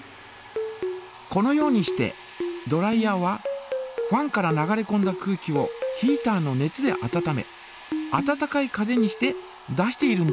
このようにしてドライヤーはファンから流れこんだ空気をヒータの熱で温め温かい風にして出しているんです。